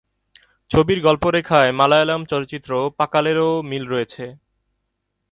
ছবির গল্পরেখায় মালায়ালম চলচ্চিত্র "পাকালের"ও মিল রয়েছে।